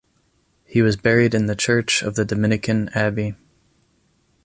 He was buried in the church of the dominican abbey.